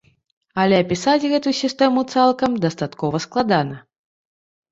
Але апісаць гэтую сістэму цалкам дастаткова складана.